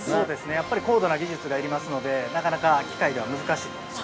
やっぱり高度な技術が要りますのでなかなか機械では難しいです。